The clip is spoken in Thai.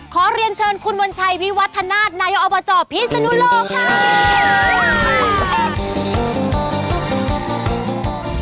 ขอเรียนเชิญคุณวัญชัยวิวัฒนาศนายกอบจพิศนุโลกค่ะ